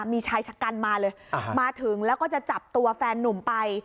มีชายชะกันมาเลยมาถึงแล้วก็จะจับตัวแฟนนุ่มไป